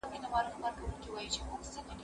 زه مخکي مړۍ خوړلي وه؟